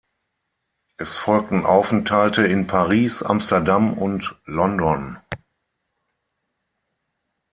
Es folgten Aufenthalte in Paris, Amsterdam und London.